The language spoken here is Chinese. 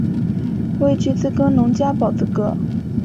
未具自耕农加保资格